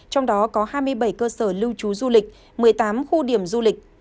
trong đó có hai mươi bảy cơ sở lưu trú du lịch một mươi tám khu điểm du lịch